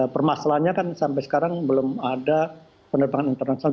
permasalahannya kan sampai sekarang belum ada penerbangan internasional